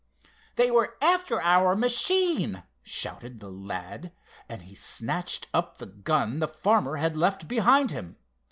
"They were after our machine!" shouted the lad, and he snatched up the gun the farmer had left behind him.